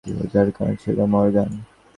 তিনি অনেক ঝামেলার শিকার হন যার কারণ ছিল মরগান।